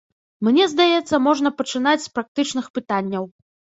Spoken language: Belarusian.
Мне здаецца, можна пачынаць з практычных пытанняў.